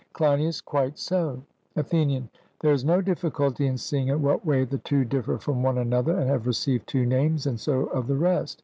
CLEINIAS: Quite so. ATHENIAN: There is no difficulty in seeing in what way the two differ from one another, and have received two names, and so of the rest.